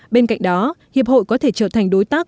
bên cạnh đó hiệp hội có thể trở thành đối tác